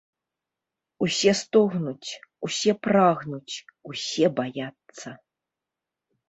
Усе стогнуць, усе прагнуць, усе баяцца.